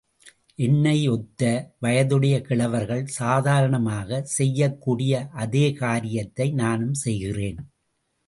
என்னை யொத்த வயதுடைய கிழவர்கள், சாதாரணமாகச் செய்யக் கூடிய அதே காரியத்தை நானும் செய்கிறேன்.